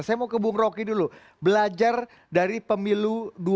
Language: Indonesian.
saya mau ke bung roky dulu belajar dari pemilu dua ribu sembilan belas